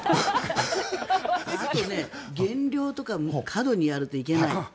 あと減量とかを過度にやるといけない。